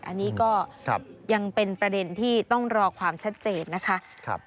อันนี้ก็ยังเป็นประเด็นที่ต้องรอความชัดเจนนะคะ